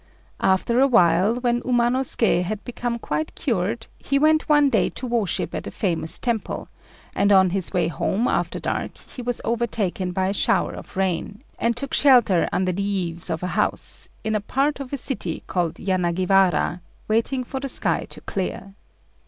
After a while, when Umanosuké had become quite cured, he went one day to worship at a famous temple, and on his way home after dark he was overtaken by a shower of rain, and took shelter under the eaves of a house, in a part of the city called Yanagiwara, waiting for the sky to clear.